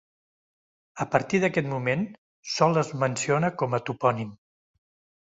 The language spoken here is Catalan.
A partir d'aquest moment sols es menciona com a topònim.